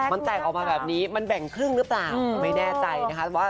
มันแตกออกมาแบบนี้มันแบ่งครึ่งหรือเปล่าก็ไม่แน่ใจนะคะว่า